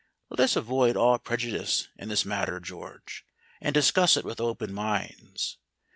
Let us avoid all prejudice in this matter, George, and discuss it with open minds.